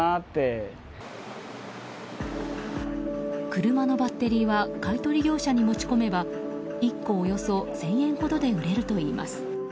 車のバッテリーは買い取り業者に持ち込めば１個およそ１０００円ほどで売れるといいます。